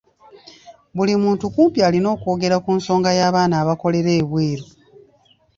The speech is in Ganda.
Buli muntu kumpi alina eky'okwogera ku nsonga y'abaana abakolera ebweru.